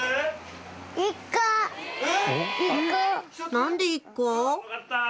何で１個？